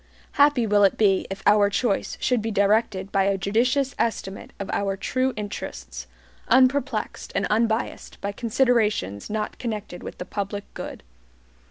Happy will it be if our choice should be directed by a judicious estimate of our true interests, unperplexed and unbiased by considerations not connected with the public good.